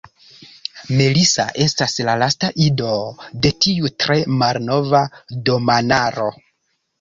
Melissa estas la lasta ido de tiu tre malnova domanaro.